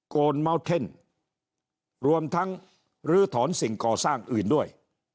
นเมาเท่นรวมทั้งลื้อถอนสิ่งก่อสร้างอื่นด้วย